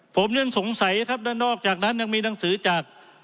ผมยังสงสัยครับด้านนอกจากนั้นยังมีหนังสือจาก